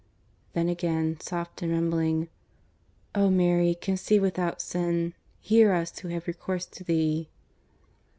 _" Then again, soft and rumbling: "_O Mary, conceived without sin, hear us who have recourse to thee.